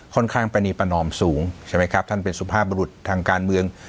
ปณีประนอมสูงใช่ไหมครับท่านเป็นสุภาพบรุษทางการเมือง